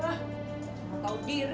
wah kau diri